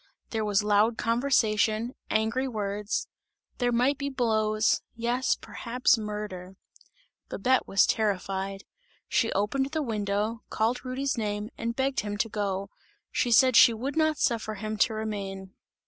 There was loud conversation, angry words; there might be blows; yes, perhaps murder. Babette was terrified; she opened the window, called Rudy's name and begged him to go; she said she would not suffer him to remain.